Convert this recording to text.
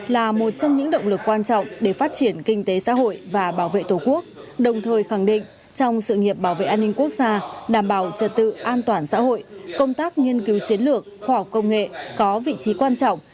là một trong những động lực quan trọng để phát triển kinh tế xã hội và bảo vệ tổ quốc đồng thời khẳng định trong sự nghiệp bảo vệ an ninh quốc gia đảm bảo trật tự an toàn xã hội công tác nghiên cứu chiến lược khoa học công nghệ có vị trí quan trọng